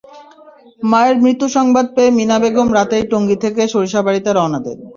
মায়ের মৃত্যুসংবাদ পেয়ে মিনা বেগম রাতেই টঙ্গী থেকে সরিষাবাড়ীতে রওনা দেন।